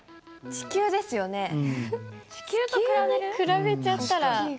地球と比べちゃったら。